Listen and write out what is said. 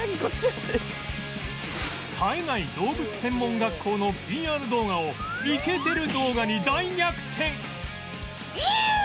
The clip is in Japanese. さえない動物専門学校の ＰＲ 動画をイケてる動画に大逆転！